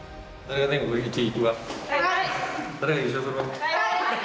はい！